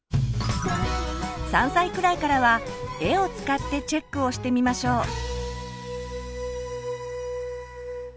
３歳くらいからは絵を使ってチェックをしてみましょう。